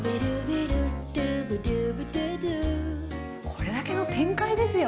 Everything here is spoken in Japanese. これだけの展開ですよね。